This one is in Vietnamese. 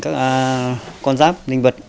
các con giáp linh vật